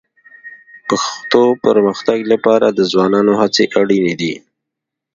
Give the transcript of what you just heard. پښتو پرمختګ لپاره د ځوانانو هڅې اړیني دي